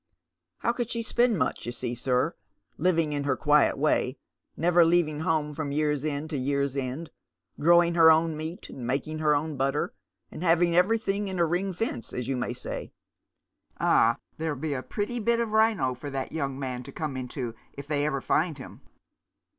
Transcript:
"How could she spend much, you see, sir? living in her quiet way, never leaving home from year's end to year's end, growing her own meat, and making her own butter, and having every tlung in a ring fence, as you may say. Ah, there'll be a pretty bit of rhino for that young man to come into if they ever find him."